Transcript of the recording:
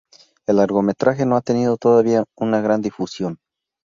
El largometraje no ha tenido todavía una gran difusión.